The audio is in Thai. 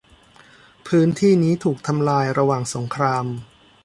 พื้นที่นี้ถูกทำลายระหว่างสงคราม